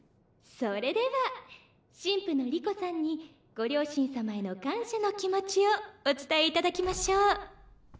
・それでは新婦の莉子さんにご両親様への感謝の気持ちをお伝えいただきましょう。